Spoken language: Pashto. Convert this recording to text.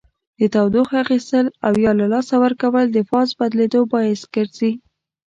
د تودوخې اخیستل او یا له لاسه ورکول د فاز بدلیدو باعث ګرځي.